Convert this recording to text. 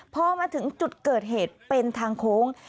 พอมาถึงจุดเกิดเหตุเป็นทางโค้ง